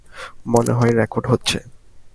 মনে হয় রেকর্ড হচ্ছে।